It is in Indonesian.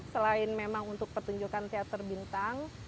selain memang untuk pertunjukan teater bintang